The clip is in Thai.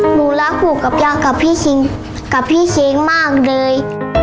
หนูรักปู่กับย่ากับพี่เค้งมากเลย